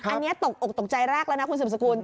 อันนี้ตกอกตกใจแรกแล้วนะคุณสืบสกุล